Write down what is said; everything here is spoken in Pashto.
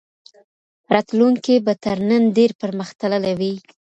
راتلونکی به تر نن ډېر پرمختللی وي.